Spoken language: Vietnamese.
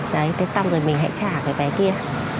đấy thế xong rồi mình hãy trả cái vé kia